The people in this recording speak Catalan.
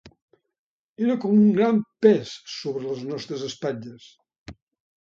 Era com un gran pes sobre les nostres espatlles.